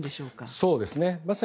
そうですね。